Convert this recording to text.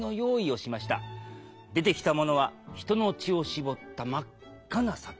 出てきたものは人の血を搾った真っ赤な酒。